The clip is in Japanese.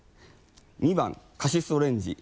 ２番カシスオレンジ。